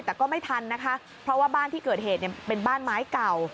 แต่ก็ไม่ทันนะคะเพราะว่าบ้านที่เกิดเหตุเป็นบ้านไม้เก่า